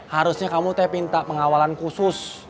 harusnya kamu saya minta pengawalan khusus